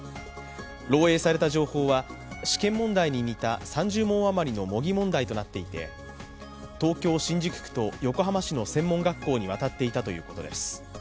漏えいされた情報は試験問題に似た３０問余りの模擬問題となっていて、東京・新宿区と横浜市の専門学校に渡っていたということです。